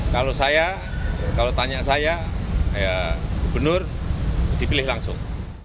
kalau saya kalau tanya saya ya gubernur dipilih langsung